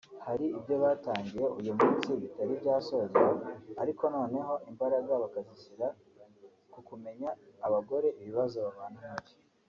Hari ibyo batangiye uyu munsi bitari byasozwa ariko noneho imbaraga bakazishyira ku kumenya abagore ibibazo babana nabyo